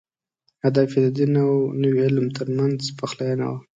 هدف یې د دین او نوي علم تر منځ پخلاینه وه.